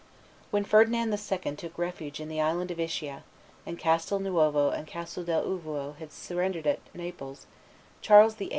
When Ferdinand II. took refuge in the island of Ischia, and Castel Nuovo and Castel dell' Uovo had surrendered at Naples, Charles VIII.